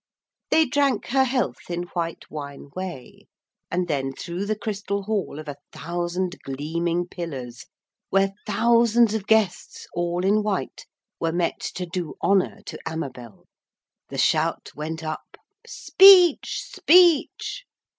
They drank her health in white wine whey, and then through the Crystal Hall of a thousand gleaming pillars, where thousands of guests, all in white, were met to do honour to Amabel, the shout went up 'Speech, speech!'